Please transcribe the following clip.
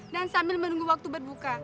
dan sambil menunggu waktu berbuka